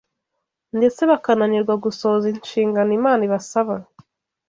ndetse bakananirwa gusohoza inshingano Imana ibasaba.